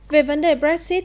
về vấn đề brexit